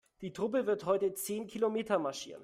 Die Truppe wird heute zehn Kilometer marschieren.